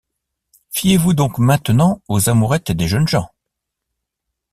Fiez-vous donc maintenant aux amourettes des jeunes gens !